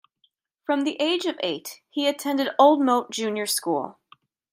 From the age of eight he attended Old Moat Junior school.